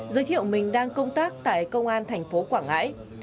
giới thiệu mình đang công tác tại công an thành phố quảng ngãi